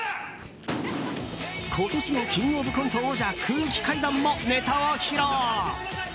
今年の「キングオブコント」王者、空気階段もネタを披露。